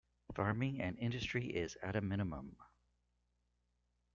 Farming and industry is at a minimum.